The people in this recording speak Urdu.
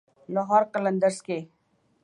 لاہور قلندرز کے